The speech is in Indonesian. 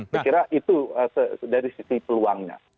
saya kira itu dari sisi peluangnya